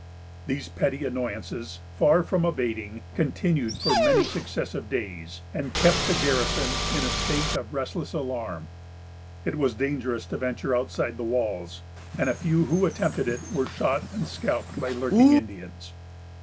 These petty annoyances, far from abating, continued for many successive days, and kept the garrison in a state of restless alarm. It was dangerous to venture outside the walls, and a few who attempted it were shot and scalped by lurking Indians.